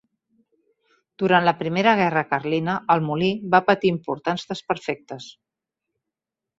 Durant la primera guerra carlina el molí va patir importants desperfectes.